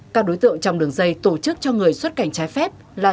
các đối tượng trong đường dây tổ chức cho người xuất cảnh trái phép là